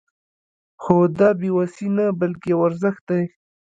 خو دا بې وسي نه بلکې يو ارزښت دی.